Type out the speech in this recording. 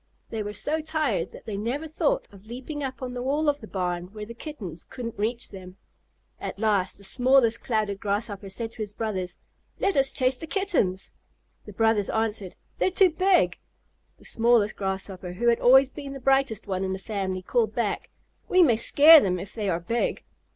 They were so tired that they never thought of leaping up on the wall of the barn where the Kittens couldn't reach them. At last the smallest Clouded Grasshopper called to his brothers, "Let us chase the Kittens." The brothers answered, "They're too big." The smallest Clouded Grasshopper, who had always been the brightest one in the family, called back, "We may scare them if they are big."